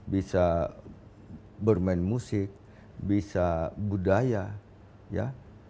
bisa bermain musik bisa budaya ya